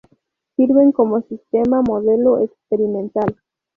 Sirven como sistema modelo experimental.